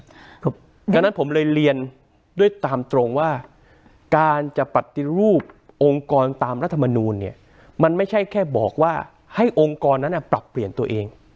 เพราะฉะนั้นผมเลยเรียนด้วยตามตรงว่าการจะปฏิรูปองค์กรตามรัฐมนูลเนี่ยมันไม่ใช่แค่บอกว่าให้องค์กรนั้นปรับเปลี่ยนตัวเอง